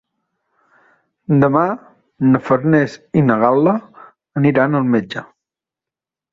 Demà na Farners i na Gal·la aniran al metge.